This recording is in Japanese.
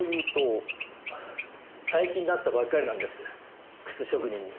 最近なったばっかりなんです靴職人に。